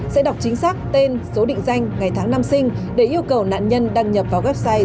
sẽ đọc chính xác tên số định danh ngày tháng năm sinh để yêu cầu nạn nhân đăng nhập vào website